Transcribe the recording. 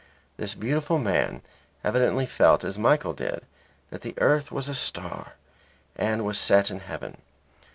This beautiful man evidently felt as Michael did that the earth was a star and was set in heaven.